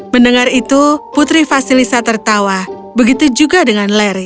mendengar itu putri vasilisa tertawa begitu juga dengan larry